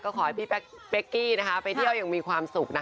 ขอให้พี่เป๊กกี้นะคะไปเที่ยวยังมีความสุขนะคะ